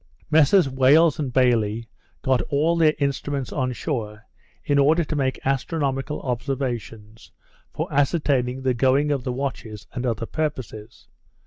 Messrs Wales and Bayley got all their instruments on shore, in order to make astronomical observations for ascertaining the going of the watches, and other purposes.